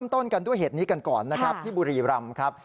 ต้นกันด้วยเหตุนี้กันก่อนนะครับที่บุรีรำครับ